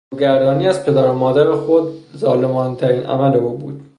روگردانی از پدر و مادر خود ظالمانهترین عمل او بود.